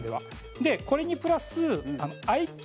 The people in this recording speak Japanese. で、これにプラスｉＱ